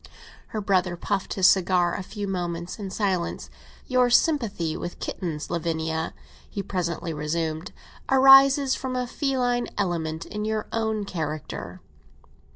Her brother puffed his cigar a few moments in silence. "Your sympathy with kittens, Lavinia," he presently resumed, "arises from a feline element in your own character."